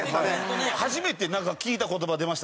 初めて聞いた言葉出ました